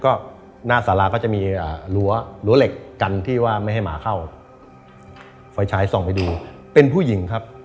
ก็หน้าสาราก็จะมีรั้วรั้วเหล็กกันที่ว่าไม่ให้หมาเข้าไฟฉายส่องไปดูเป็นผู้หญิงครับ